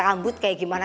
rambut kayak gimana